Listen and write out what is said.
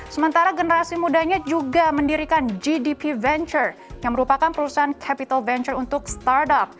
sementara generasi mudanya juga mendirikan gdp venture yang merupakan perusahaan capital venture untuk startup